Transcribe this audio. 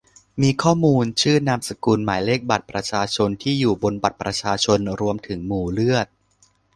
มีข้อมูล ชื่อ นามสกุล หมายเลขบัตรประชาชน ที่อยู่ บนบัตรประชาชน รวมถึงหมู่เลือด